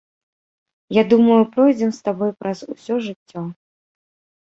Я думаю, пройдзем з табой праз усё жыццё.